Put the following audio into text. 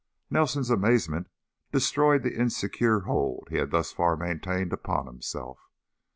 Nelson's amazement destroyed the insecure hold he had thus far maintained upon himself.